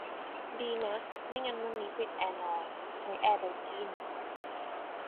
ดีนะ ไม่งั้นวันนี้ปิดแอร์นอน ใช้แอร์ไดกิ้น